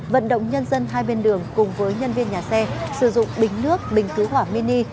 vận động nhân dân hai bên đường cùng với nhân viên nhà xe sử dụng bình nước bình cứu hỏa mini